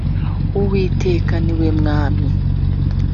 uwiteka niwe mwami.